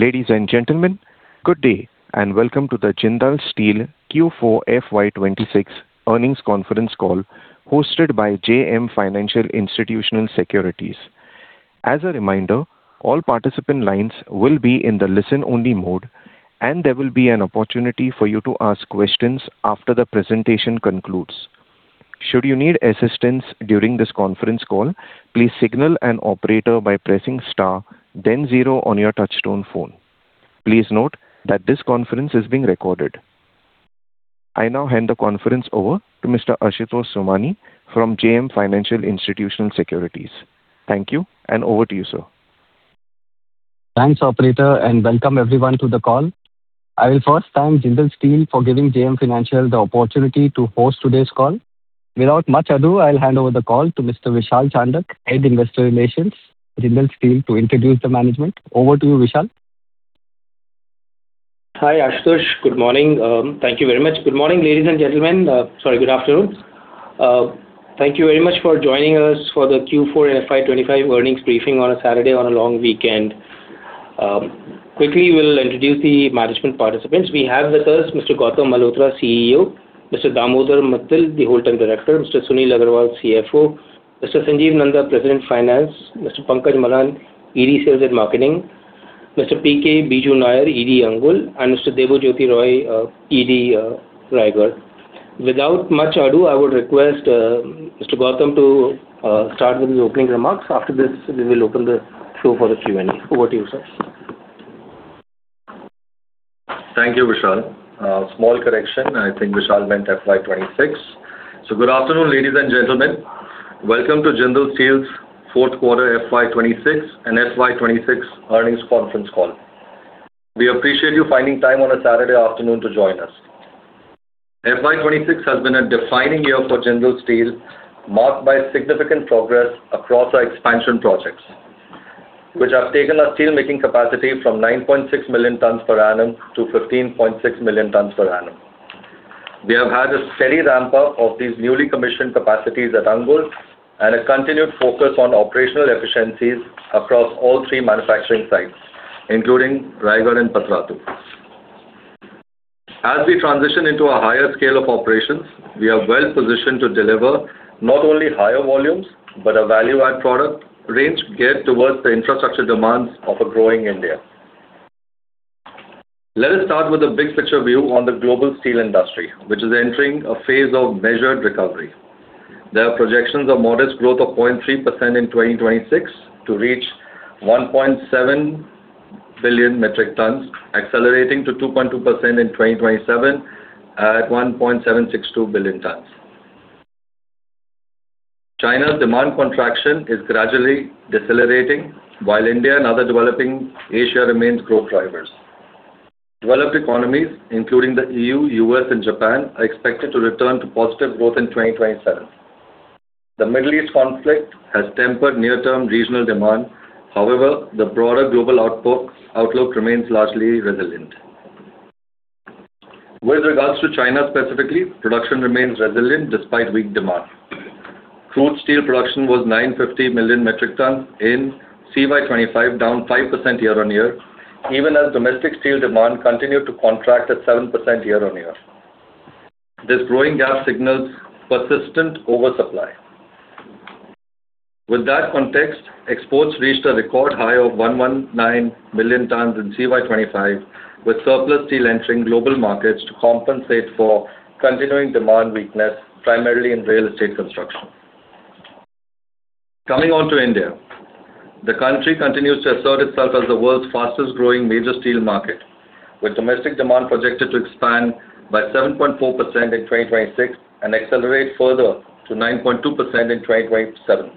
Ladies and gentlemen, good day, and welcome to the Jindal Steel Q4 FY 2026 Earnings Conference Call hosted by JM Financial Institutional Securities. As a reminder, all participant lines will be in the listen only mode, and there will be an opportunity for you to ask questions after the presentation concludes. I now hand the conference over to Mr. Ashutosh Somani from JM Financial Institutional Securities. Thank you, and over to you, sir. Thanks, operator. Welcome everyone to the call. I will first thank Jindal Steel for giving JM Financial the opportunity to host today's call. Without much ado, I'll hand over the call to Mr. Vishal Chandak, Head Investor Relations, Jindal Steel, to introduce the management. Over to you, Vishal. Hi, Ashutosh. Good morning. Thank you very much. Good morning, ladies and gentlemen. Sorry, good afternoon. Thank you very much for joining us for the Q4 FY 2025 earnings briefing on a Saturday on a long weekend. Quickly we'll introduce the management participants. We have with us Mr. Gautam Malhotra, CEO; Mr. Damodar Mittal, the Wholetime Director; Mr. Sunil Agrawal, CFO; Mr. Sanjib Nanda, President Finance; Mr. Pankaj Malhan, ED, Sales & Marketing; Mr. P.K. Biju Nair, ED, Angul; and Mr. Debojyoti Roy, ED, Raigarh. Without much ado, I would request Mr. Gautam to start with his opening remarks. After this, we will open the floor for the Q and A. Over to you, sir. Thank you, Vishal. Small correction. I think Vishal meant FY 2026. Good afternoon, ladies and gentlemen. Welcome to Jindal Steel's fourth quarter FY 2026 and FY 2026 earnings conference call. We appreciate you finding time on a Saturday afternoon to join us. FY 2026 has been a defining year for Jindal Steel, marked by significant progress across our expansion projects, which have taken our steelmaking capacity from 9.6 million tons per annum to 15.6 million tons per annum. We have had a steady ramp up of these newly commissioned capacities at Angul and a continued focus on operational efficiencies across all three manufacturing sites, including Raigarh and Patratu. As we transition into a higher scale of operations, we are well-positioned to deliver not only higher volumes, but a value-add product range geared towards the infrastructure demands of a growing India. Let us start with the big picture view on the global steel industry, which is entering a phase of measured recovery. There are projections of modest growth of 0.3% in 2026 to reach 1.7 billion metric tons, accelerating to 2.2% in 2027 at 1.762 billion tons. China's demand contraction is gradually decelerating, while India and other developing Asia remains growth drivers. Developed economies, including the EU, U.S., and Japan, are expected to return to positive growth in 2027. The Middle East conflict has tempered near-term regional demand. However, the broader global outlook remains largely resilient. With regards to China specifically, production remains resilient despite weak demand. Crude steel production was 950 million metric tons in CY 2025, down 5% year-on-year, even as domestic steel demand continued to contract at 7% year-on-year. This growing gap signals persistent oversupply. With that context, exports reached a record high of 119 million tons in CY 2025, with surplus steel entering global markets to compensate for continuing demand weakness, primarily in real estate construction. Coming on to India, the country continues to assert itself as the world's fastest growing major steel market, with domestic demand projected to expand by 7.4% in 2026 and accelerate further to 9.2% in 2027.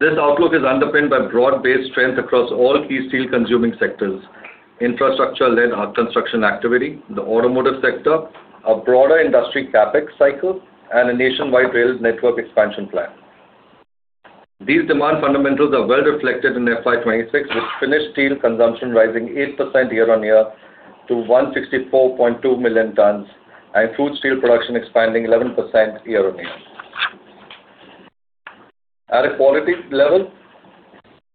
This outlook is underpinned by broad-based strength across all key steel consuming sectors, infrastructure-led construction activity, the automotive sector, a broader industry CapEx cycle, and a nationwide rails network expansion plan. These demand fundamentals are well reflected in FY 2026, with finished steel consumption rising 8% year-on-year to 164.2 million tons and crude steel production expanding 11% year-on-year. At a quality level,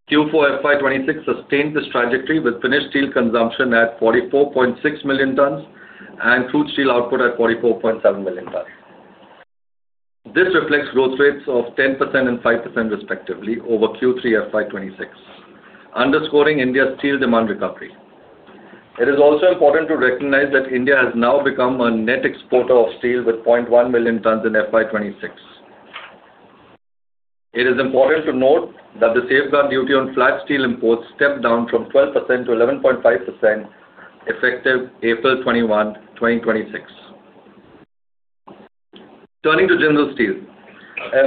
Q4 FY 2026 sustained this trajectory with finished steel consumption at 44.6 million tons and crude steel output at 44.7 million tons. This reflects growth rates of 10% and 5% respectively over Q3 FY 2026, underscoring India's steel demand recovery. It is also important to recognize that India has now become a net exporter of steel with 0.1 million tons in FY 2026. It is important to note that the safeguard duty on flat steel imports stepped down from 12% to 11.5%, effective April 21, 2026. Turning to Jindal Steel,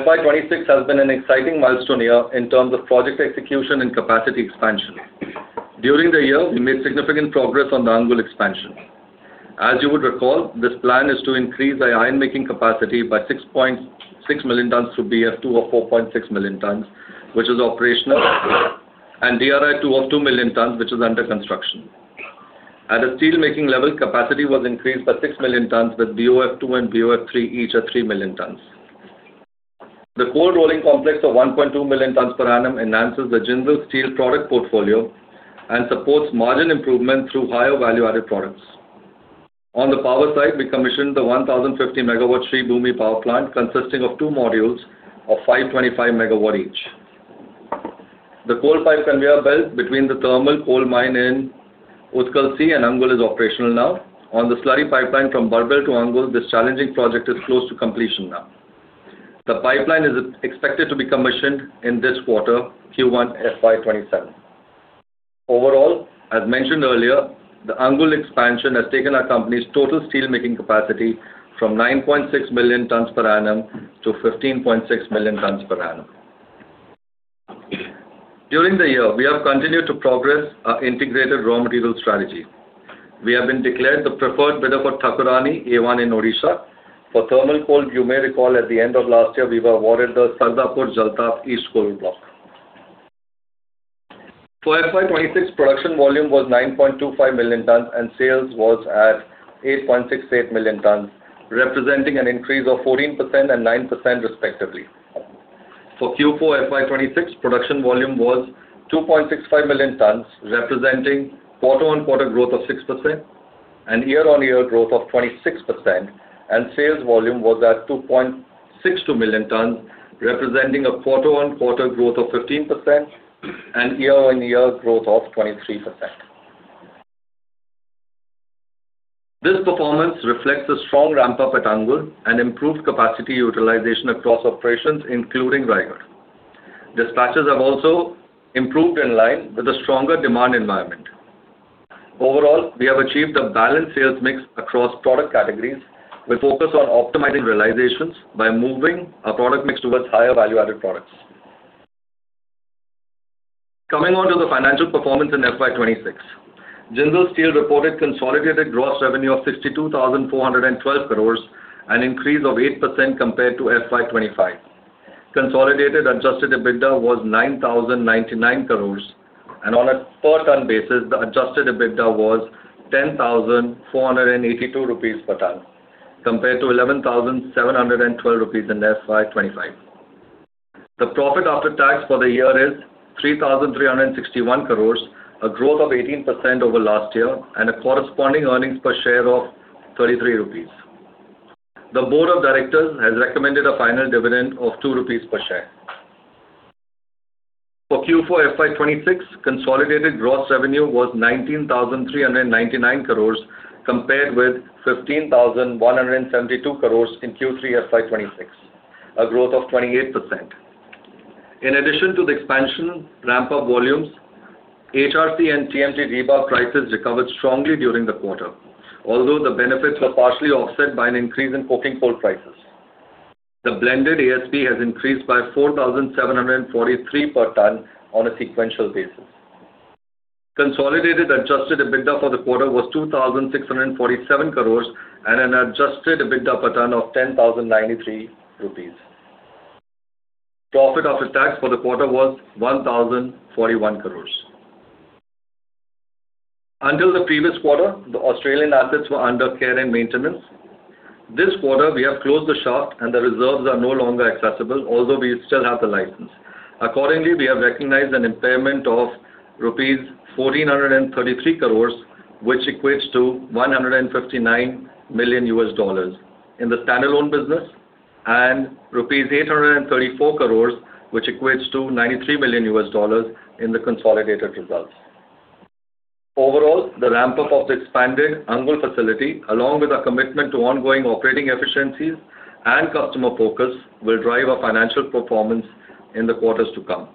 FY 2026 has been an exciting milestone year in terms of project execution and capacity expansion. During the year, we made significant progress on the Angul expansion. As you would recall, this plan is to increase the iron making capacity by 6.6 million tons through BF2 of 4.6 million tons, which is operational, and DRI2 of 2 million tons, which is under construction. At a steel making level, capacity was increased by 6 million tons, with BOF2 and BOF3 each at 3 million tons. The cold rolling complex of 1.2 million tons per annum enhances the Jindal Steel product portfolio and supports margin improvement through higher value-added products. On the power side, we commissioned the 1,050 MW Shree Bhoomi Power Plant consisting of two modules of 525 MW each. The coal pipe conveyor belt between the thermal coal mine in Utkal C and Angul is operational now. On the slurry pipeline from Barbil to Angul, this challenging project is close to completion now. The pipeline is expected to be commissioned in this quarter, Q1 FY 2027. Overall, as mentioned earlier, the Angul expansion has taken our company's total steelmaking capacity from 9.6 million tons per annum to 15.6 million tons per annum. During the year, we have continued to progress our integrated raw material strategy. We have been declared the preferred bidder for Thakurani A1 in Odisha. For thermal coal, you may recall at the end of last year, we were awarded the Saradhapur Jalatap East coal block. For FY 2026, production volume was 9.25 million tons and sales was at 8.68 million tons, representing an increase of 14% and 9% respectively. For Q4 FY 2026, production volume was 2.65 million tons, representing quarter-on-quarter growth of 6% and year-on-year growth of 26%, and sales volume was at 2.62 million tons, representing a quarter-on-quarter growth of 15% and year-on-year growth of 23%. This performance reflects a strong ramp up at Angul and improved capacity utilization across operations, including Raigarh. Dispatches have also improved in line with a stronger demand environment. Overall, we have achieved a balanced sales mix across product categories. We focus on optimizing realizations by moving our product mix towards higher value-added products. Coming on to the financial performance in FY 2026. Jindal Steel reported consolidated gross revenue of 62,412 crores, an increase of 8% compared to FY 2025. Consolidated adjusted EBITDA was 9,099 crore, on a per tonne basis, the adjusted EBITDA was 10,482 rupees per tonne, compared to 11,712 rupees in FY 2025. The profit after tax for the year is 3,361 crores, a growth of 18% over last year, a corresponding earnings per share of 33 rupees. The board of directors has recommended a final dividend of 2 rupees per share. For Q4 FY 2026, consolidated gross revenue was 19,399 crore compared with 15,172 crore in Q3 FY 2026, a growth of 28%. In addition to the expansion ramp up volumes, HRC and TMT rebar prices recovered strongly during the quarter. The benefits were partially offset by an increase in coking coal prices. The blended ASP has increased by 4,743 per tonne on a sequential basis. Consolidated adjusted EBITDA for the quarter was 2,647 crore and an adjusted EBITDA per tonne of 10,093 rupees. Profit after tax for the quarter was 1,041 crore. Until the previous quarter, the Australian assets were under care and maintenance. This quarter, we have closed the shaft and the reserves are no longer accessible, although we still have the license. Accordingly, we have recognized an impairment of rupees 1,433 crore, which equates to $159 million in the standalone business and rupees 834 crore, which equates to $93 million in the consolidated results. Overall, the ramp up of the expanded Angul facility, along with our commitment to ongoing operating efficiencies and customer focus, will drive our financial performance in the quarters to come.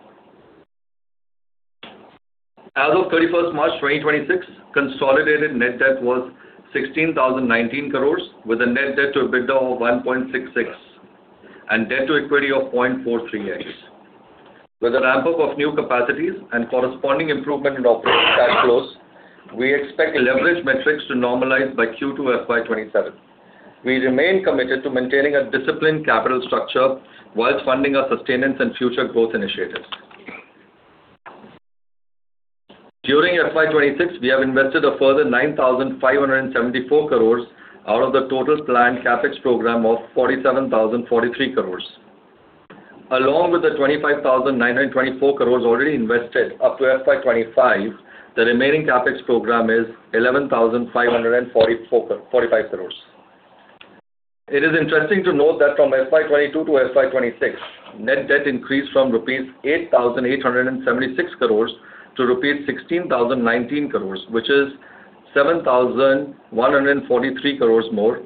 As of 31st March 2026, consolidated net debt was 16,019 crores, with a net debt to EBITDA of 1.66 and debt to equity of 0.438. With a ramp up of new capacities and corresponding improvement in operating cash flows, we expect leverage metrics to normalize by Q2 FY 2027. We remain committed to maintaining a disciplined capital structure whilst funding our sustenance and future growth initiatives. During FY 2026, we have invested a further 9,574 crores out of the total planned CapEx program of 47,043 crores. Along with the 25,924 crores already invested up to FY 2025, the remaining CapEx program is 11,545 crores. It is interesting to note that from FY 2022 to FY 2026, net debt increased from rupees 8,876 crores to rupees 16,019 crores, which is 7,143 crores more.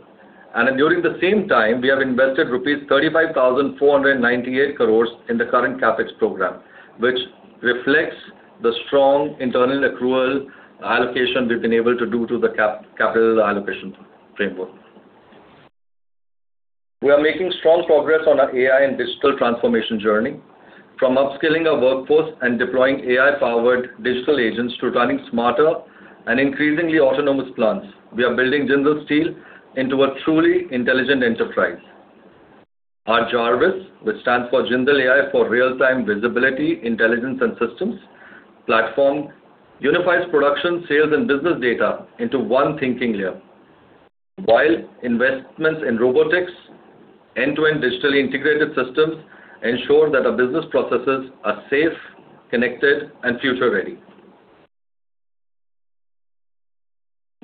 During the same time, we have invested rupees 35,498 crores in the current CapEx program, which reflects the strong internal accrual allocation we've been able to do to the capital allocation framework. We are making strong progress on our AI and digital transformation journey. From upskilling our workforce and deploying AI-powered digital agents to running smarter and increasingly autonomous plants, we are building Jindal Steel into a truly intelligent enterprise. Our JARVIS, which stands for Jindal AI for Real-time Visibility, Intelligence and Systems platform unifies production, sales, and business data into one thinking layer. While investments in robotics, end-to-end digitally integrated systems ensure that our business processes are safe, connected, and future-ready.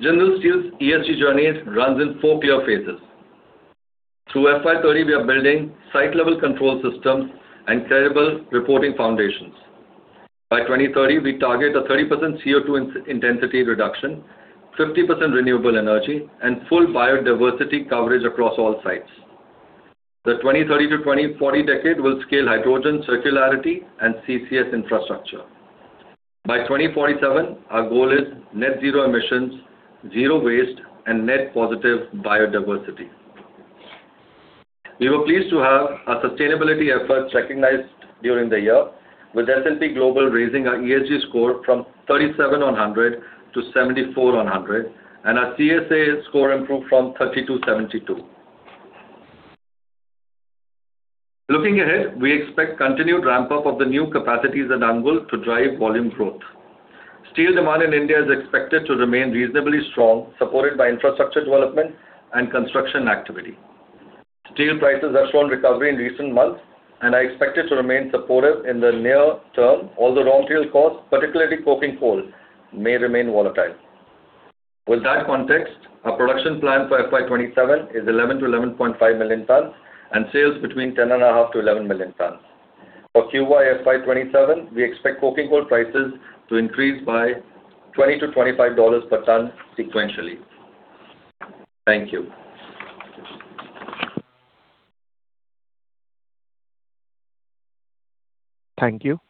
Jindal Steel's ESG journey runs in four clear phases. Through FY 2030, we are building site level control systems and credible reporting foundations. By 2030, we target a 30% CO2 in-intensity reduction, 50% renewable energy, and full biodiversity coverage across all sites. The 2030 to 2040 decade will scale hydrogen circularity and CCS infrastructure. By 2047, our goal is net zero emissions, zero waste, and net positive biodiversity. We were pleased to have our sustainability efforts recognized during the year with S&P Global raising our ESG score from 37 on 100 to 74 on 100, and our CSA score improved from 30 to 72. Looking ahead, we expect continued ramp-up of the new capacities at Angul to drive volume growth. Steel demand in India is expected to remain reasonably strong, supported by infrastructure development and construction activity. Steel prices have shown recovery in recent months, and are expected to remain supportive in the near term. All the raw material costs, particularly coking coal, may remain volatile. With that context, our production plan for FY 2027 is 11 million tons-11.5 million tons, and sales between 10.5 million tons-11 million tons. For QY FY 2027, we expect coking coal prices to increase by $20-$25 per ton sequentially. Thank you. Thank you.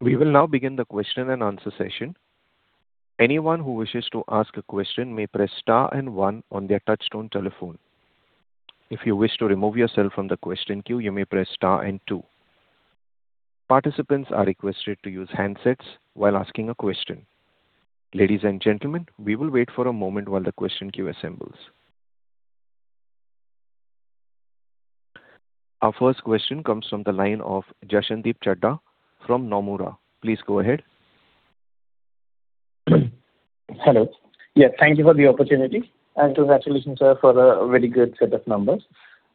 We will now begin the question and answer session. Anyone who wishes to ask a question may press star and one on their touchtone telephone. If you wish to remove yourself from the question queue, you may press star and two. Participants are requested to use handsets while asking a question. Ladies and gentlemen, we will wait for a moment while the question queue assembles. Our first question comes from the line of Jashandeep Chadha from Nomura. Please go ahead. Hello. Yes, thank you for the opportunity, and congratulations for a very good set of numbers.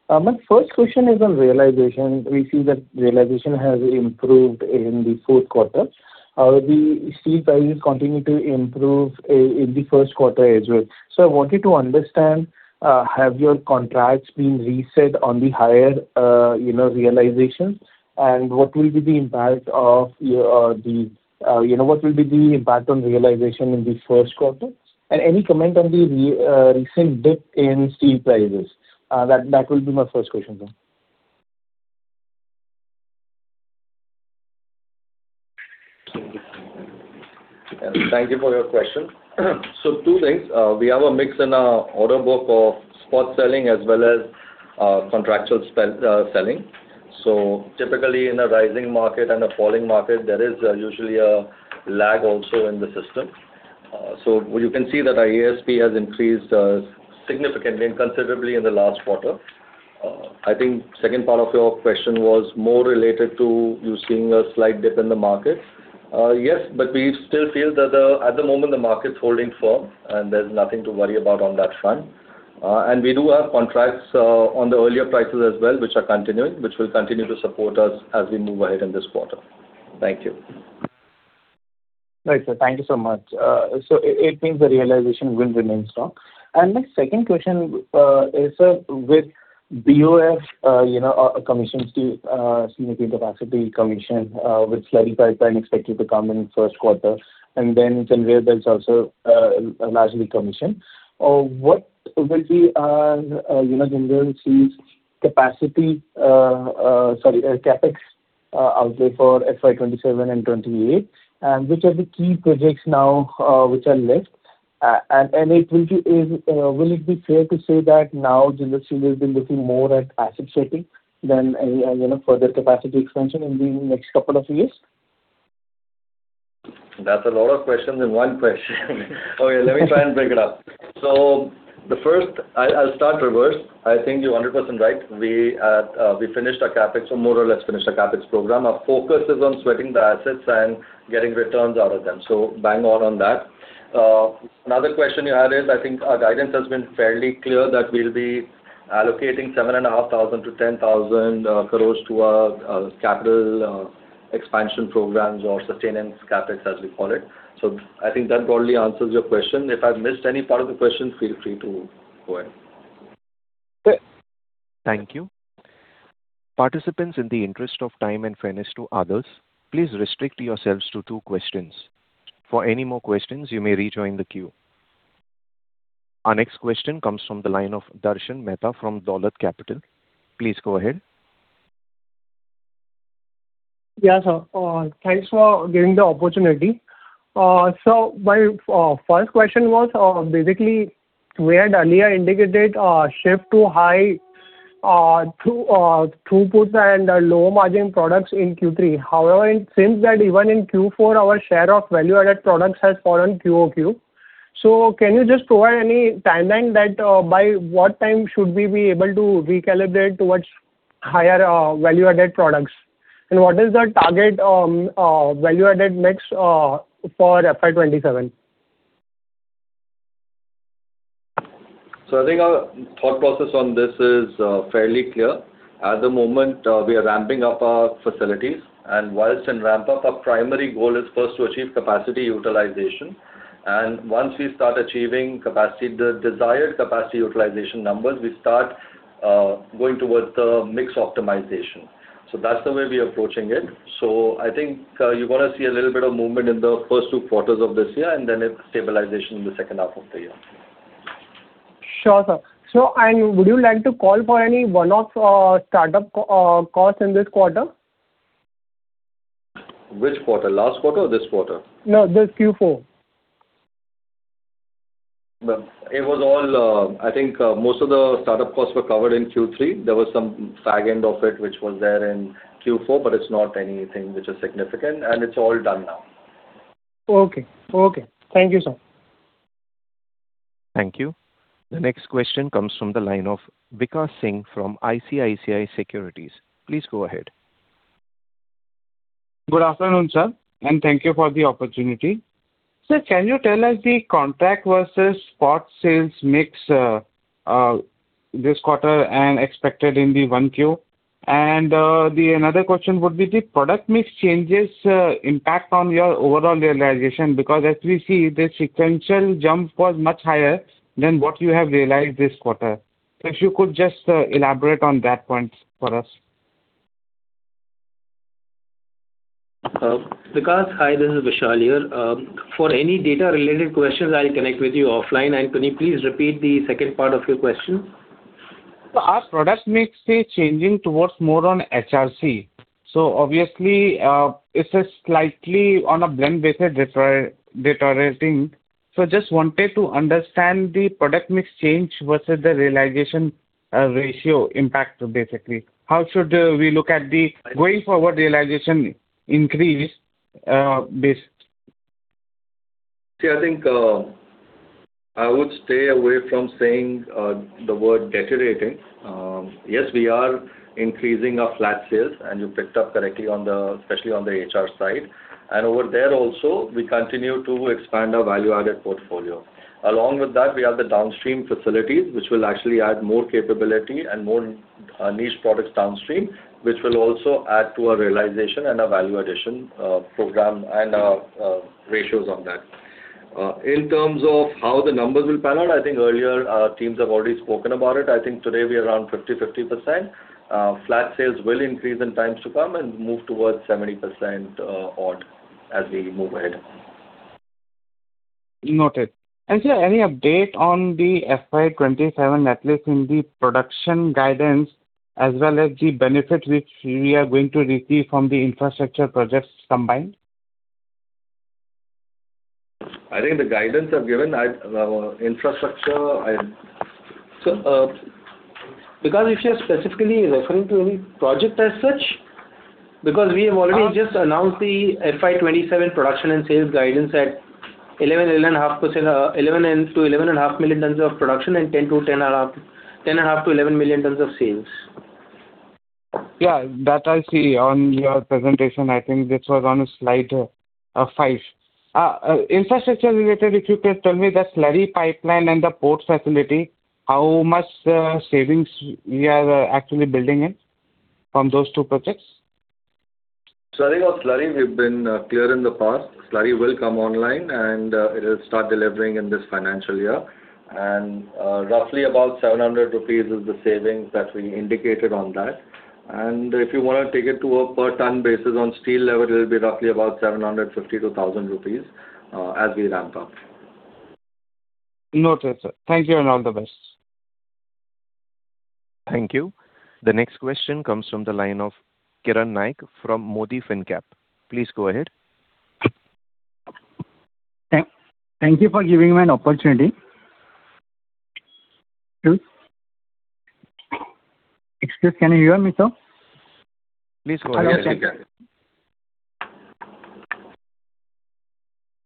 My first question is on realization. We see that realization has improved in the fourth quarter. The steel prices continue to improve in the first quarter as well. I wanted to understand, have your contracts been reset on the higher, you know, realization? What will be the impact of the, you know, what will be the impact on realization in the first quarter? Any comment on the recent dip in steel prices? That will be my first question, sir. Thank you for your question. Two things. We have a mix in our order book of spot selling as well as contractual selling. Typically in a rising market and a falling market, there is usually a lag also in the system. You can see that our ASP has increased significantly and considerably in the last quarter. I think second part of your question was more related to you seeing a slight dip in the market. Yes, we still feel that the, at the moment the market's holding firm and there's nothing to worry about on that front. We do have contracts on the earlier prices as well, which are continuing, which will continue to support us as we move ahead in this quarter. Thank you. Right, sir. Thank you so much. It means the realization will remain strong. My second question is with BOF, you know, commissions to significant capacity commissioned, with slurry pipeline expected to come in 1st quarter, and then January there's also largely commissioned. What will be, you know, Jindal Steel's capacity, sorry, CapEx outlay for FY 2027 and 2028? Which are the key projects now which are left? It will be, will it be fair to say that now Jindal Steel will be looking more at asset shaping than, you know, further capacity expansion in the next two years? That's a lot of questions in one question. Let me try and break it up. The first, I'll start reverse. I think you're 100% right. We finished our CapEx, or more or less finished our CapEx program. Our focus is on sweating the assets and getting returns out of them. Bang on on that. Another question you had is, I think our guidance has been fairly clear that we'll be allocating 7,500 crores-10,000 crores to our capital expansion programs or sustenance CapEx, as we call it. I think that broadly answers your question. If I've missed any part of the question, feel free to go ahead. Okay. Thank you. Participants, in the interest of time and fairness to others, please restrict yourselves to two questions. For any more questions, you may rejoin the queue. Our next question comes from the line of Darshan Mehta from Dolat Capital. Please go ahead. Yeah, thanks for giving the opportunity. My first question was, basically we had earlier indicated shift to high throughput and low margin products in Q3. However, it seems that even in Q4, our share of value-added products has fallen QOQ. Can you just provide any timeline that by what time should we be able to recalibrate towards higher value-added products? And what is the target value-added mix for FY 2027? I think our thought process on this is fairly clear. At the moment, we are ramping up our facilities. Whilst in ramp-up, our primary goal is first to achieve capacity utilization. Once we start achieving capacity, the desired capacity utilization numbers, we start going towards the mix optimization. That's the way we're approaching it. I think, you're gonna see a little bit of movement in the first two quarters of this year, and then a stabilization in the second half of the year. Sure, sir. Would you like to call for any one-off, start-up costs in this quarter? Which quarter? Last quarter or this quarter? No, this Q4. Well, it was all. I think most of the start-up costs were covered in Q3. There was some flag end of it which was there in Q4, but it's not anything which is significant, and it's all done now. Okay. Okay. Thank you, sir. Thank you. The next question comes from the line of Vikash Singh from ICICI Securities. Please go ahead. Good afternoon, sir, thank you for the opportunity. Sir, can you tell us the contract versus spot sales mix this quarter and expected in the 1Q? The another question would be the product mix changes impact on your overall realization because as we see, the sequential jump was much higher than what you have realized this quarter. If you could just elaborate on that point for us. Vikash, hi, this is Vishal here. For any data related questions, I'll connect with you offline. Can you please repeat the second part of your question? Our product mix is changing towards more on HRC. Obviously, it's a slightly on a blend basis deteriorating. Just wanted to understand the product mix change versus the realization ratio impact, basically. How should we look at the going forward realization increase? I would stay away from saying the word deteriorating. Yes, we are increasing our flat sales, and you picked up correctly on the, especially on the HR side. Over there also, we continue to expand our value-added portfolio. Along with that, we have the downstream facilities which will actually add more capability and more niche products downstream, which will also add to our realization and our value addition program and ratios on that. In terms of how the numbers will pan out, I think earlier our teams have already spoken about it. I think today we are around 50%. Flat sales will increase in times to come and move towards 70% odd as we move ahead. Noted. Sir, any update on the FY 2027, at least in the production guidance, as well as the benefit which we are going to receive from the infrastructure projects combined? I think the guidance I've given at infrastructure. Sir, because if you're specifically referring to any project as such, because we have already just announced the FY 2027 production and sales guidance at 11 million tons-11.5 million tons of production and 10.5 million tons-11 million tons of sales. That I see on your presentation. I think this was on slide five. Infrastructure related, if you could tell me the slurry pipeline and the port facility, how much savings we are actually building in from those two projects? I think on slurry we've been clear in the past. Slurry will come online and it'll start delivering in this financial year. Roughly about 700 rupees is the savings that we indicated on that. If you wanna take it to a per ton basis on steel level, it'll be roughly about 750-1,000 rupees as we ramp up. Noted, sir. Thank you and all the best. Thank you. The next question comes from the line of Kiran Naik from Modi Fincap. Please go ahead. Thank you for giving me an opportunity. Excuse, can you hear me, sir? Please go ahead. Yes, we can.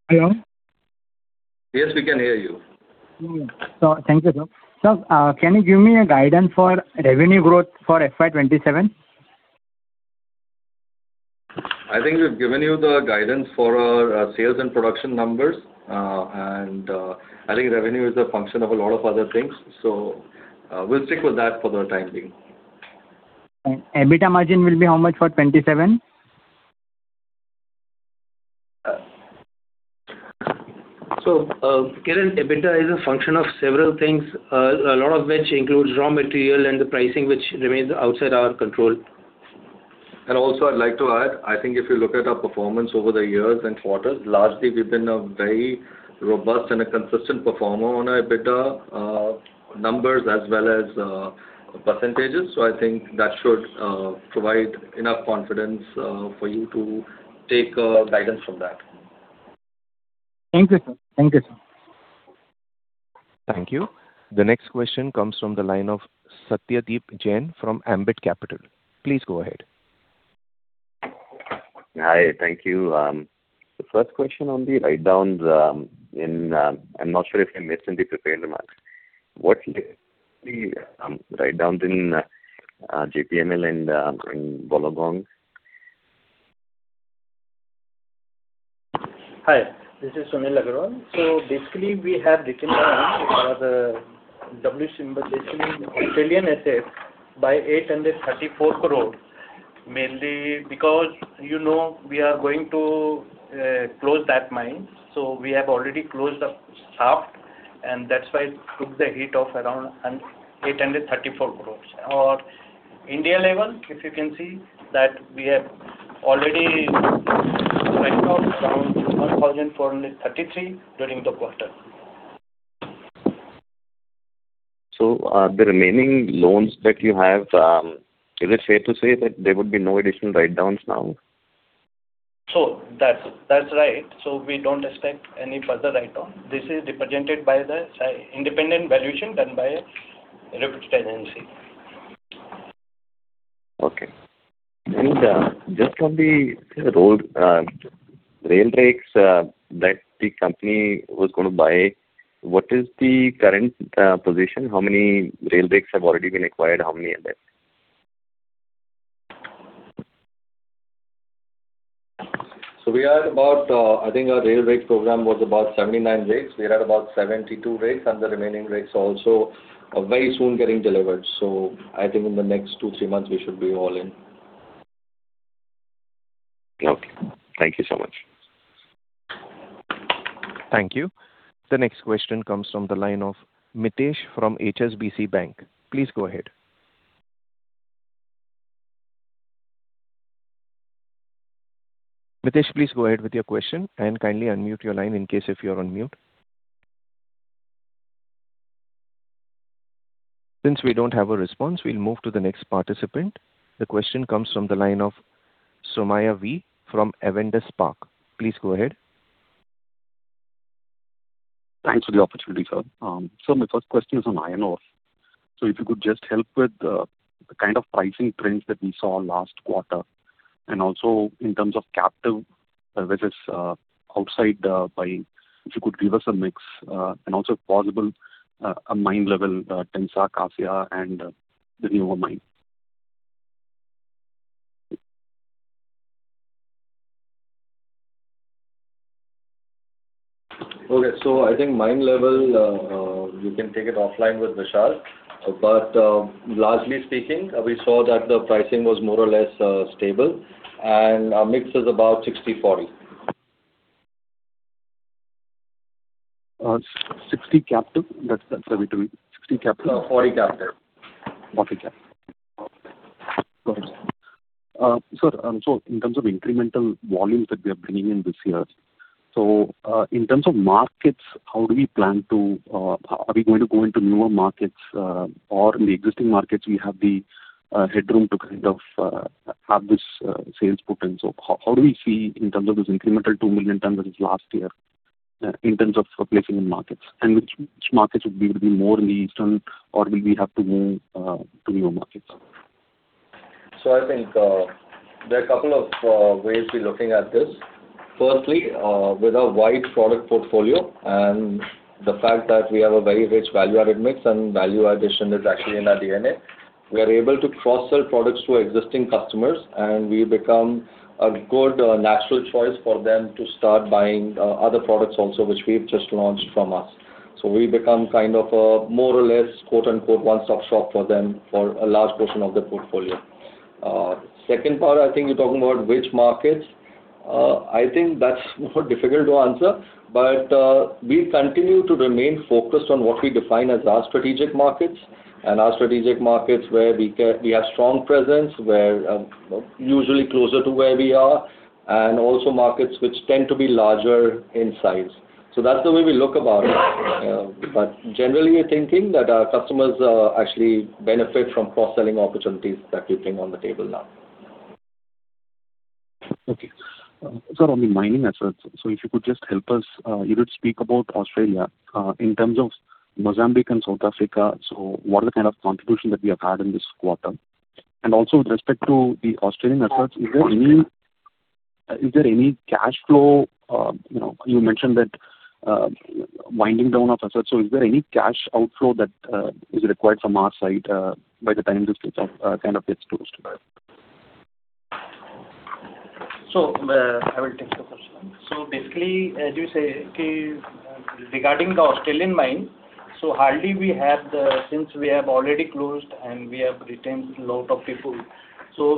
Hello? Yes, we can hear you. Thank you, sir. Sir, can you give me a guidance for revenue growth for FY 2027? I think we've given you the guidance for our sales and production numbers. I think revenue is a function of a lot of other things, so, we'll stick with that for the time being. EBITDA margin will be how much for 2027? Kiran, EBITDA is a function of several things, a lot of which includes raw material and the pricing which remains outside our control. Also I'd like to add, I think if you look at our performance over the years and quarters, largely we've been a very robust and a consistent performer on our EBITDA numbers as well as percentages. I think that should provide enough confidence for you to take guidance from that. Thank you, sir. Thank you, sir. Thank you. The next question comes from the line of Satyadeep Jain from Ambit Capital. Please go ahead. Hi, thank you. The first question on the write-downs. I'm not sure if I missed in the prepared remarks. What's the write-down in JPML and in Wollongong? Hi, this is Sunil Agrawal. Basically, we have written down around the W symbol, basically Australian assets by 834 crores, mainly because, you know, we are going to close that mine. We have already closed the shaft, and that's why it took the hit of around an 834 crores. Our India level, if you can see that we have already write-off around 1,433 during the quarter. The remaining loans that you have, is it fair to say that there would be no additional write-downs now? That's right. We don't expect any further write-down. This is represented by the independent valuation done by a reputed agency. Okay. Just on the rail rakes that the company was gonna buy. What is the current position? How many rail rakes have already been acquired? How many are left? We are at about, I think our rail rakes program was about 79 rakes. We are at about 72 rakes, and the remaining rakes are also very soon getting delivered. I think in the next two, three months we should be all in. Okay. Thank you so much. Thank you. The next question comes from the line of Mitesh from HSBC Bank. Please go ahead. Mitesh, please go ahead with your question and kindly unmute your line in case if you're on mute. Since we don't have a response, we'll move to the next participant. The question comes from the line of Somaiah V from Avendus Spark. Please go ahead. Thanks for the opportunity, sir. My first question is on iron ore. If you could just help with the kind of pricing trends that we saw last quarter, and also in terms of captive versus outside buying, if you could give us a mix. And also if possible, a mine level, Tensa, Kasia and the newer mine. Okay. I think mine level, you can take it offline with Vishal. Largely speaking, we saw that the pricing was more or less stable and our mix is about 60/40. 60 captive? That's 70. 60 captive. 40 captive. 40 captive. Okay. Got it. Sir, in terms of incremental volumes that we are bringing in this year, in terms of markets, how do we plan to? Are we going to go into newer markets, or in the existing markets we have the headroom to kind of have this sales potential? How do we see in terms of this incremental 2 million tons versus last year, in terms of replacing the markets? Which markets would be more in the Eastern or do we have to move to newer markets? I think, there are a couple of ways we're looking at this. Firstly, with our wide product portfolio and the fact that we have a very rich value-added mix and value addition is actually in our DNA, we are able to cross-sell products to existing customers, and we become a good natural choice for them to start buying other products also, which we've just launched from us. We become kind of a more or less, quote-unquote, one-stop shop for them for a large portion of their portfolio. Second part, I think you're talking about which markets. I think that's more difficult to answer, but we continue to remain focused on what we define as our strategic markets and our strategic markets where we have strong presence, where, usually closer to where we are, and also markets which tend to be larger in size. That's the way we look about it. Generally we're thinking that our customers, actually benefit from cross-selling opportunities that we bring on the table now. Okay. Sir, on the Mining assets, if you could just help us, you did speak about Australia. In terms of Mozambique and South Africa, what are the kind of contribution that we have had in this quarter? Also with respect to the Australian assets, is there any cash flow? You know, you mentioned that winding down of assets, is there any cash outflow that is required from our side, by the time this gets kind of gets closed by? I will take the first one. Basically, as you say, regarding the Australian mine, hardly we have. Since we have already closed and we have retained lot of people,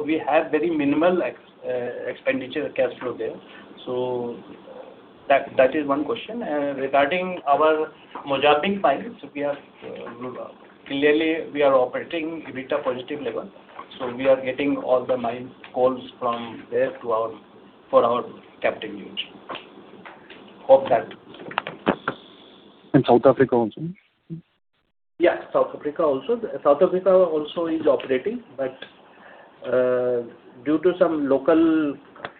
we have very minimal expenditure cash flow there. That is one question. Regarding our Mozambique mine, we are clearly we are operating EBITDA positive level, we are getting all the mine coals from there to our, for our captive use. Hope that- South Africa also? Yeah, South Africa also. South Africa also is operating but due to some local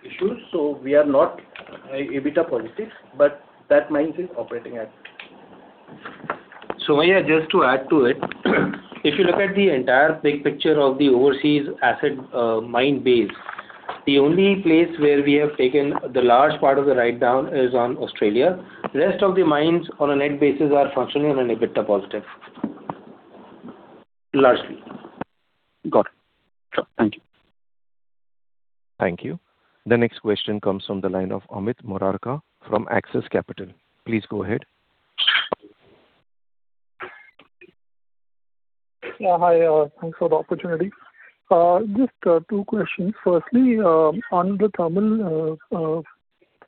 issues, so we are not EBITDA positive, but that mine is operating. Just to add to it, if you look at the entire big picture of the overseas asset, mine base, the only place where we have taken the large part of the write down is on Australia. Rest of the mines on a net basis are functioning on an EBITDA positive, largely. Got it. Sure. Thank you. Thank you. The next question comes from the line of Amit Murarka from Axis Capital. Please go ahead. Yeah, hi. Thanks for the opportunity. Just two questions. Firstly, on the terminal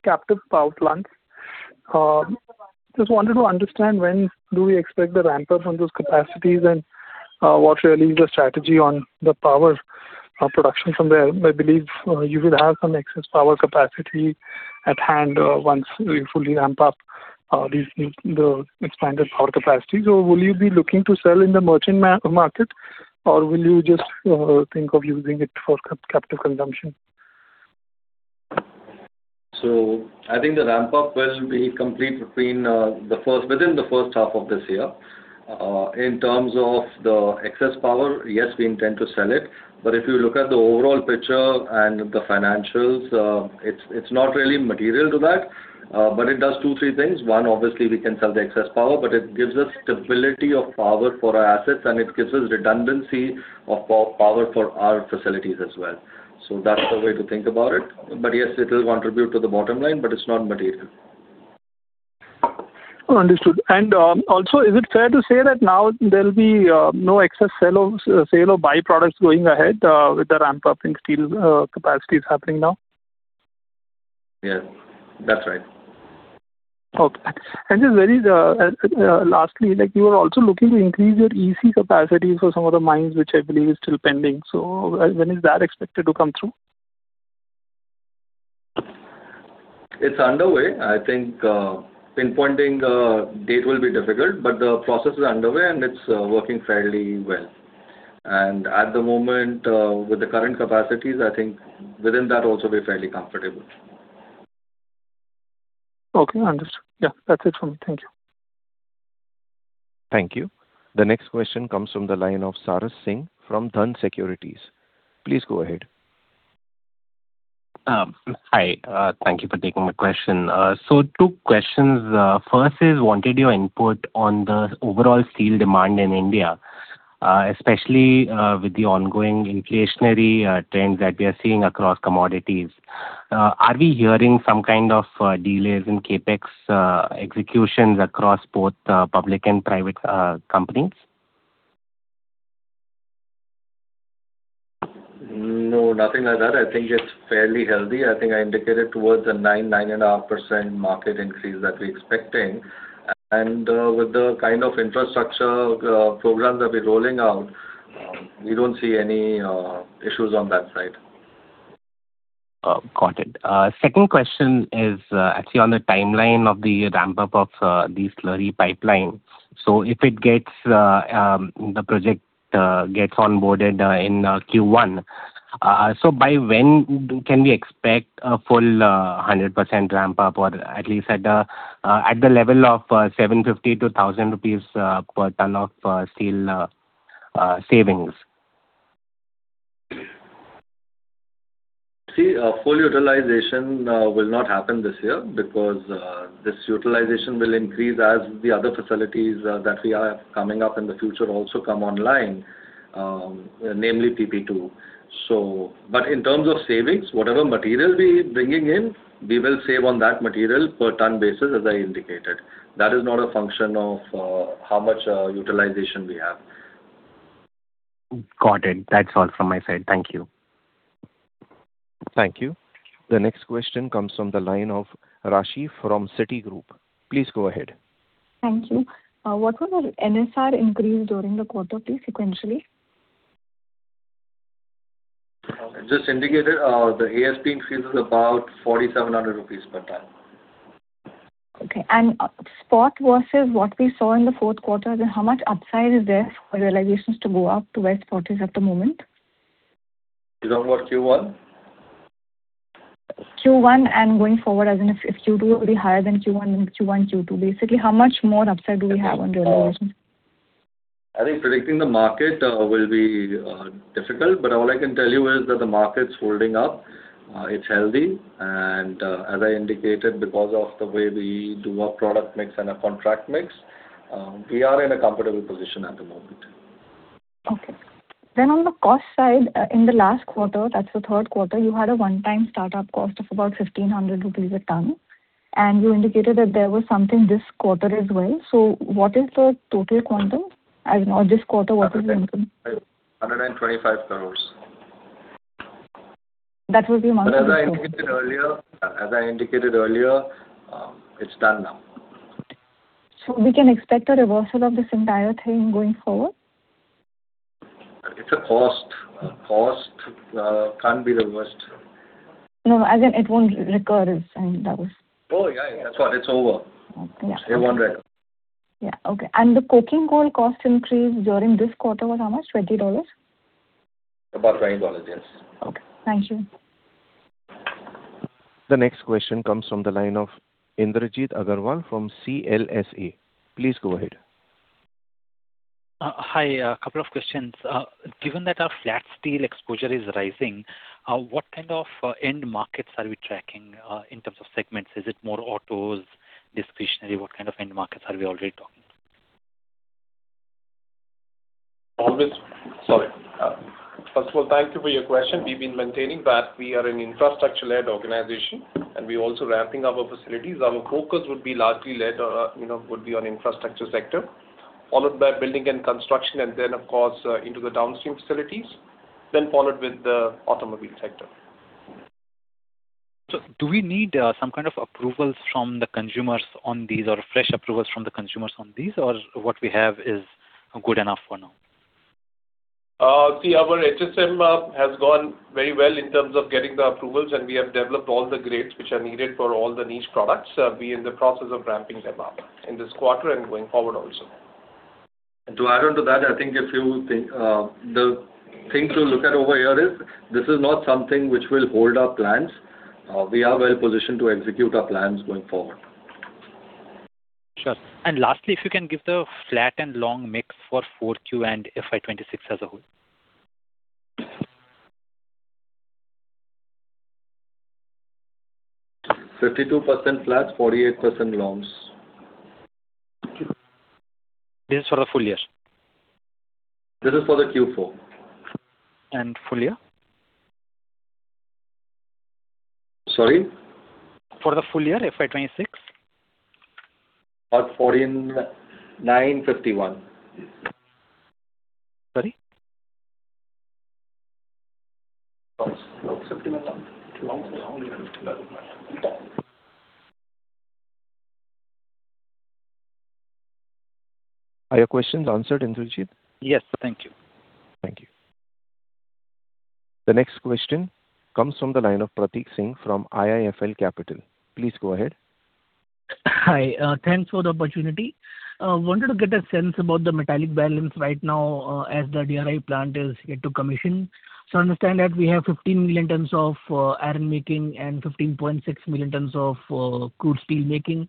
captive power plants. Just wanted to understand when do we expect the ramp up on those capacities and what really is the strategy on the Power production from there? I believe you will have some excess power capacity at hand once we fully ramp up these, the expanded power capacity. Will you be looking to sell in the merchant market, or will you just think of using it for captive consumption? I think the ramp up will be complete within the first half of this year. In terms of the excess power, yes, we intend to sell it, but if you look at the overall picture and the financials, it's not really material to that. It does two, three things. One, obviously we can sell the excess power, but it gives us stability of power for our assets, and it gives us redundancy of power for our facilities as well. That's the way to think about it. Yes, it will contribute to the bottom line, but it's not material. Understood. Also, is it fair to say that now there'll be no excess sale of byproducts going ahead, with the ramp up in steel capacities happening now? Yeah, that's right. Okay. Just where is the, lastly, like you are also looking to increase your EC capacity for some of the mines, which I believe is still pending. When is that expected to come through? It's underway. I think pinpointing a date will be difficult, but the process is underway, and it's working fairly well. At the moment, with the current capacities, I think within that also we're fairly comfortable. Okay, understood. Yeah, that's it from me. Thank you. Thank you. The next question comes from the line of Sarath Singh from Dhan Securities. Please go ahead. Hi. Thank you for taking my question. Two questions. First is wanted your input on the overall steel demand in India, especially with the ongoing inflationary trends that we are seeing across commodities. Are we hearing some kind of delays in CapEx executions across both public and private companies? No, nothing like that. I think it's fairly healthy. I think I indicated towards a 9.5% market increase that we're expecting. With the kind of infrastructure programs that we're rolling out, we don't see any issues on that side. Got it. Second question is, actually on the timeline of the ramp up of the slurry pipeline. If it gets the project gets onboarded in Q1, so by when can we expect a full 100% ramp up or at least at the level of 750-1,000 rupees per ton of steel savings? See, full utilization will not happen this year because this utilization will increase as the other facilities that we have coming up in the future also come online, namely PP2. But in terms of savings, whatever material we bringing in, we will save on that material per ton basis, as I indicated. That is not a function of how much utilization we have. Got it. That's all from my side. Thank you. Thank you. The next question comes from the line of Rashi from Citigroup. Please go ahead. Thank you. What was the NSR increase during the quarter, please, sequentially? I just indicated, the ASP increase is about 4,700 rupees per ton. Okay. Spot versus what we saw in the fourth quarter, how much upside is there for realizations to go up to where spot is at the moment? You don't know Q1? Q1 and going forward, as in if Q2 will be higher than Q1, Q2, basically, how much more upside do we have on realization? I think predicting the market will be difficult, but all I can tell you is that the market's holding up. It's healthy and, as I indicated, because of the way we do our product mix and our contract mix, we are in a comfortable position at the moment. Okay. On the cost side, in the last quarter, that's the third quarter, you had a one-time start-up cost of about 1,500 rupees a ton, and you indicated that there was something this quarter as well. What is the total quantum? As in or this quarter, what is the increment? 125 crores. That will be monthly. As I indicated earlier, it's done now. We can expect a reversal of this entire thing going forward? It's a cost. Cost can't be reversed. No, as in it won't recur is I mean. Oh, yeah. That's all. It's over. Okay. Yeah. It won't recur. Yeah. Okay. The coking coal cost increase during this quarter was how much, $20? About $20, yes. Okay. Thank you. The next question comes from the line of Indrajit Agarwal from CLSA. Please go ahead. Hi. A couple of questions. Given that our flat steel exposure is rising, what kind of end markets are we tracking in terms of segments? Is it more autos, discretionary? What kind of end markets are we already talking? Sorry. First of all, thank you for your question. We've been maintaining that we are an infrastructure-led organization, and we're also ramping up our facilities. Our focus would be largely led, you know, would be on infrastructure sector, followed by building and construction and then of course, into the downstream facilities, then followed with the automobile sector. Do we need, some kind of approvals from the consumers on these or fresh approvals from the consumers on these or what we have is good enough for now? See our HSM has gone very well in terms of getting the approvals, and we have developed all the grades which are needed for all the niche products. We're in the process of ramping them up in this quarter and going forward also. To add on to that, I think if you think, the thing to look at over here is this is not something which will hold our plans. We are well positioned to execute our plans going forward. Sure. Lastly, if you can give the flat and long mix for 4Q and FY 2026 as a whole. 52% flats, 48% longs. This is for the full year? This is for the Q4. Full year? Sorry? For the full year, FY 2026. About 14, 951. Sorry? [inaudible] Are your questions answered, Indrajit? Yes. Thank you. Thank you. The next question comes from the line of Prateek Singh from IIFL Capital. Please go ahead. Hi. Thanks for the opportunity. Wanted to get a sense about the metallic balance right now, as the DRI plant is yet to commission. I understand that we have 15 million tons of iron making and 15.6 million tons of crude steel making.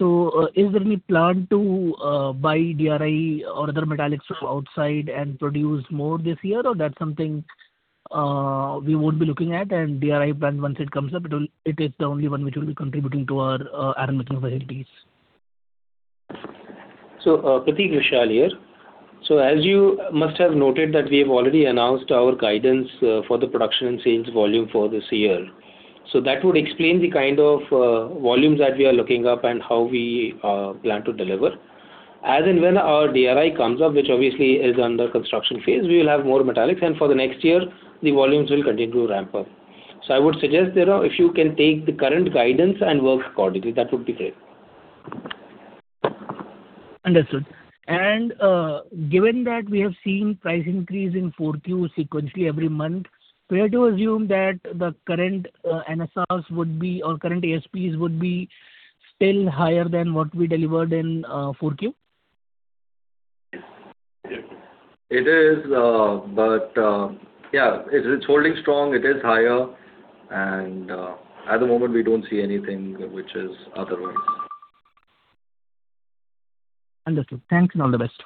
Is there any plan to buy DRI or other metallics from outside and produce more this year, or that's something we would be looking at and DRI plant once it comes up, it is the only one which will be contributing to our iron making capabilities. Prateek, Vishal here. As you must have noted that we have already announced our guidance for the production and sales volume for this year. That would explain the kind of volumes that we are looking up and how we plan to deliver. As and when our DRI comes up, which obviously is under construction phase, we will have more metallics, and for the next year, the volumes will continue to ramp up. I would suggest that if you can take the current guidance and work accordingly, that would be great. Understood. Given that we have seen price increase in Q4 sequentially every month, fair to assume that the current NSRs would be or current ASPs would be still higher than what we delivered in Q4? It is, but, yeah, it's holding strong. It is higher and, at the moment we don't see anything which is otherwise. Understood. Thanks and all the best.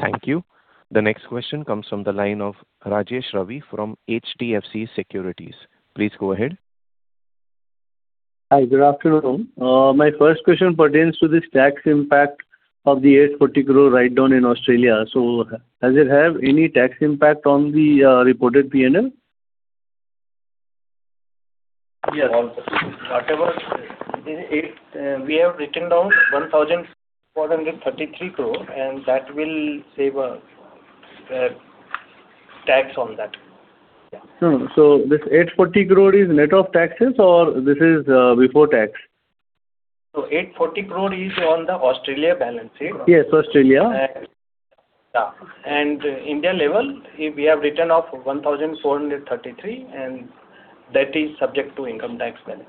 Thank you. The next question comes from the line of Rajesh Ravi from HDFC Securities. Please go ahead. Hi. Good afternoon. My first question pertains to this tax impact of the 840 crore write down in Australia. Does it have any tax impact on the reported P&L? Yes. We have written down 1,433 crore, and that will save tax on that. Yeah. This 840 crore is net of taxes or this is before tax? 840 crore is on the Australia balance sheet. Yes, Australia. Yeah. India level, we have written off 1,433, and that is subject to income tax benefit.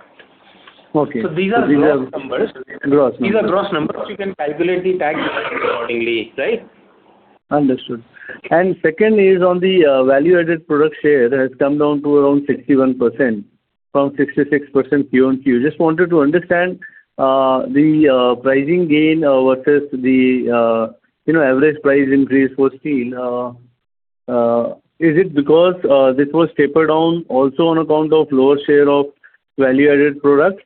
Okay. These are gross numbers. Gross numbers. These are gross numbers. You can calculate the tax accordingly, right? Understood. Second is on the value-added product share has come down to around 61% from 66% Q on Q. Just wanted to understand the pricing gain versus the, you know, average price increase for steel. Is it because this was taper down also on account of lower share of value-added products?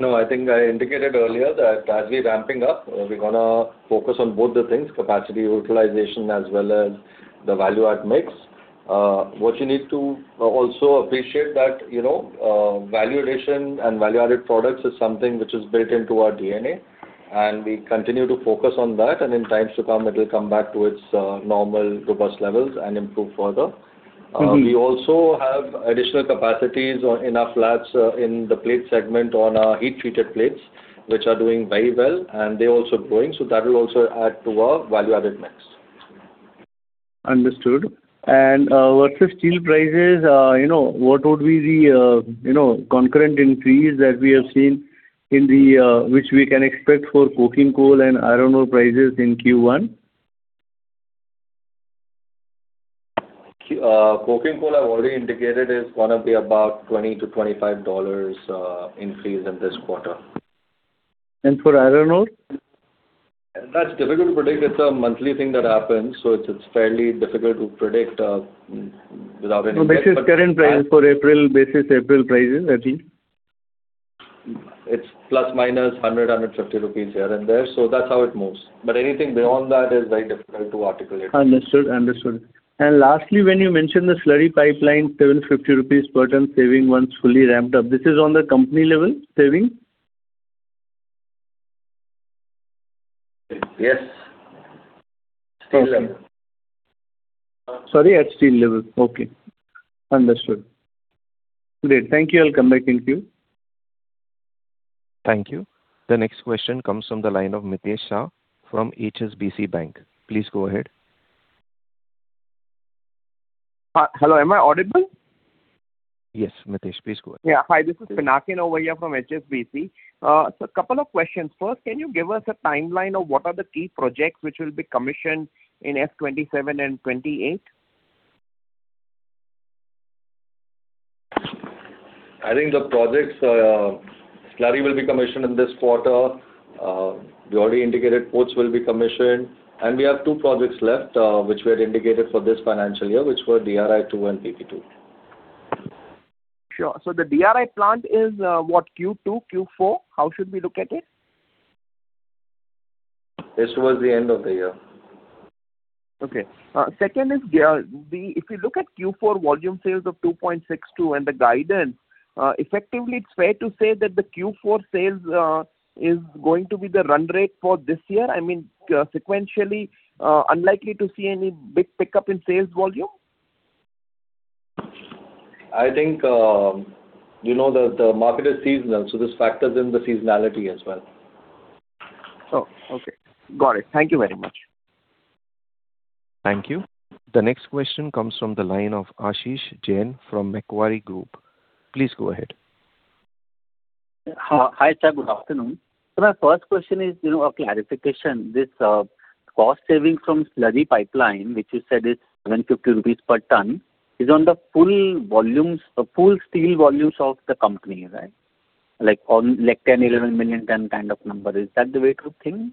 No, I think I indicated earlier that as we're ramping up, we're gonna focus on both the things, capacity utilization as well as the value add mix. What you need to also appreciate that, you know, value addition and value-added products is something which is built into our DNA, and we continue to focus on that. In times to come, it will come back to its normal robust levels and improve further. We also have additional capacities in our flats, in the plate segment on our heat-treated plates, which are doing very well and they are also growing. That will also add to our value-added mix. Understood. Versus Steel prices, you know, what would be the, you know, concurrent increase that we have seen in the, which we can expect for coking coal and iron ore prices in Q1? Coking coal I've already indicated is gonna be about $20-$25 increase in this quarter. For iron ore? That's difficult to predict. It's a monthly thing that happens, so it's fairly difficult to predict. No, this is current prices for April, basis April prices at least. It's ±100-150 rupees here and there. That's how it moves. Anything beyond that is very difficult to articulate. Understood. Understood. Lastly, when you mentioned the slurry pipeline, 750 rupees per ton saving once fully ramped up, this is on the company level saving? Yes. Steel level. Sorry, at steel level. Okay. Understood. Great. Thank you. I'll come back in queue. Thank you. The next question comes from the line of Mitesh Shah from HSBC Bank. Please go ahead. Hi. Hello, am I audible? Yes, Mitesh, please go ahead. Yeah. Hi, this is Pinakin over here from HSBC. Couple of questions. First, can you give us a timeline of what are the key projects which will be commissioned in FY 2027 and 2028? I think the projects, slurry will be commissioned in this quarter. We already indicated ports will be commissioned. We have two projects left, which were indicated for this financial year, which were DRI2 and PP2. Sure. The DRI plant is what Q2, Q4? How should we look at it? It was the end of the year. Okay. second is, if you look at Q4 volume sales of 2.62 million tons and the guidance, effectively it's fair to say that the Q4 sales is going to be the run rate for this year. I mean, sequentially, unlikely to see any big pickup in sales volume. I think, you know, the market is seasonal, so this factors in the seasonality as well. Oh, okay. Got it. Thank you very much. Thank you. The next question comes from the line of Ashish Jain from Macquarie Group. Please go ahead. Hi. Hi, sir. Good afternoon. My first question is, you know, a clarification. This cost saving from slurry pipeline, which you said is 750 rupees per ton, is on the full volumes, full steel volumes of the company, right? Like on 10 million tons, 11 million tons kind of number. Is that the way to think?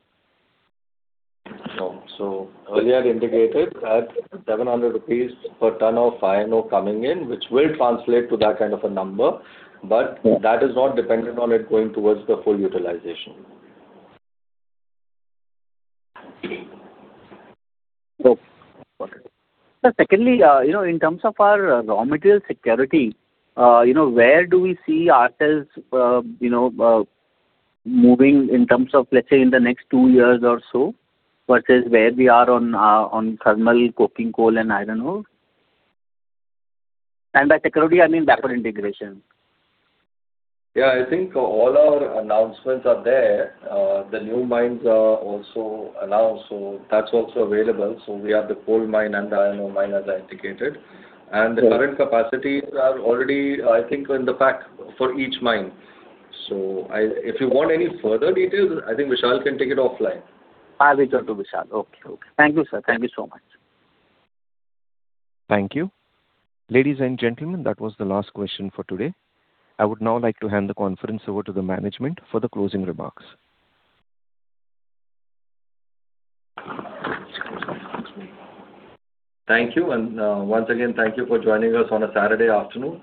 No. Earlier indicated that 700 rupees per ton of iron ore coming in, which will translate to that kind of a number. That is not dependent on it going towards the full utilization. Okay. Got it. Secondly, you know, in terms of our raw material security, you know, where do we see ourselves, you know, moving in terms of, let's say, in the next two years or so versus where we are on thermal coking coal and iron ore? By security, I mean backward integration. I think all our announcements are there. The new mines are also announced, that's also available. We have the coal mine and the iron ore mine, as I indicated. The current capacities are already, I think, in the pack for each mine. If you want any further details, I think Vishal can take it offline. I'll reach out to Vishal. Okay. Okay. Thank you, sir. Thank you so much. Thank you. Ladies and gentlemen, that was the last question for today. I would now like to hand the conference over to the management for the closing remarks. Thank you. Once again, thank you for joining us on a Saturday afternoon.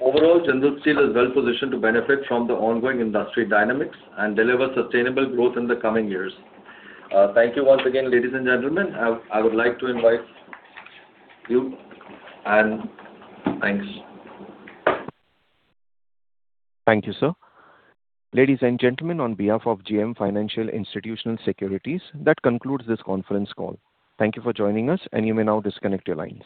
Overall, Jindal Steel is well-positioned to benefit from the ongoing industry dynamics and deliver sustainable growth in the coming years. Thank you once again, ladies and gentlemen. I would like to invite you and thanks. Thank you, sir. Ladies and gentlemen, on behalf of JM Financial Institutional Securities, that concludes this conference call. Thank you for joining us, and you may now disconnect your lines.